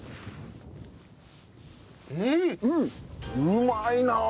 うまいなあ。